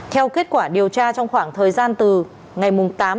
cơ quan cảnh sát điều tra công an tỉnh an giang đã khởi tố bắt tạm giam